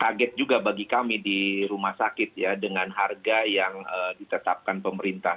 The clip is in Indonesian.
kaget juga bagi kami di rumah sakit ya dengan harga yang ditetapkan pemerintah